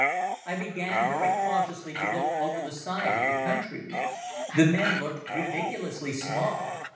I began very cautiously to look over the side at the country. The men looked ridiculously small.